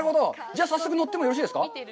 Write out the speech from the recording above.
じゃあ、早速、乗ってもよろしいですか？